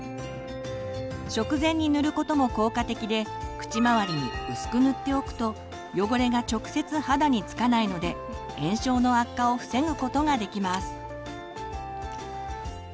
食前に塗ることも効果的で口周りに薄く塗っておくと汚れが直接肌につかないので炎症の悪化を防ぐことができます。